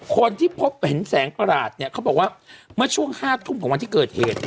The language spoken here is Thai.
คนที่พบเห็นแสงประหลาดเนี่ยเขาบอกว่าเมื่อช่วง๕ทุ่มของวันที่เกิดเหตุ